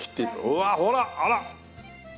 うわっほらあら！